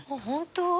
本当？